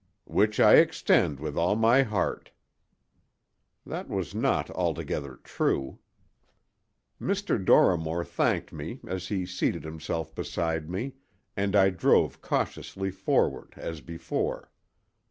"Which I extend with all my heart." That was not altogether true. Dr. Dorrimore thanked me as he seated himself beside me, and I drove cautiously forward, as before.